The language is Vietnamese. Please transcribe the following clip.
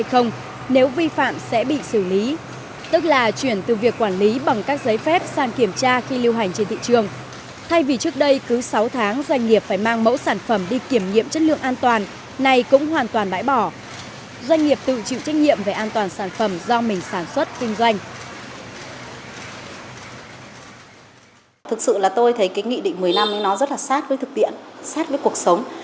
thực sự là tôi thấy cái nghị định một mươi năm nó rất là sát với thực tiện sát với cuộc sống